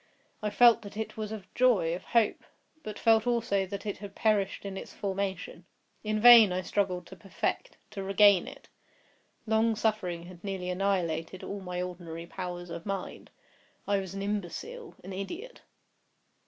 I felt that it was of joy—of hope; but felt also that it had perished in its formation. In vain I struggled to perfect—to regain it. Long suffering had nearly annihilated all my ordinary powers of mind. I was an imbecile—an idiot.